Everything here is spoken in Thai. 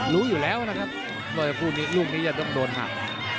รู้อยู่แล้วนะครับว่าคู่นี้ลูกนี้จะต้องโดนหัก